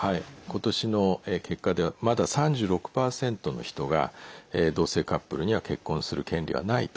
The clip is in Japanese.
今年の結果ではまだ３６％の人が同性カップルには結婚する権利はないと。